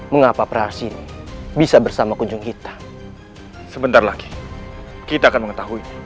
mengapa praseed bisa bersama kunjung kita sebentar lagi kita kamu tahu